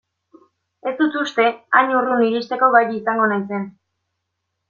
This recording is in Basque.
Ez dut uste hain urrun iristeko gai izango naizen.